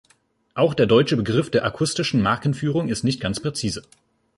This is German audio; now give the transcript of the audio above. Auch der deutsche Begriff der akustischen Markenführung ist nicht ganz präzise.